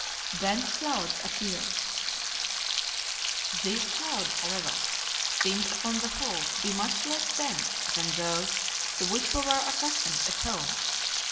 Dense Clouds Appear. These clouds, however, seemed upon the whole to be much less dense than those to which we were accustomed at home.